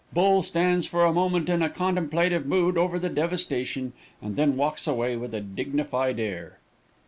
Bull stands for a moment in a contemplative mood over the devastation, and then walks away with a dignified air.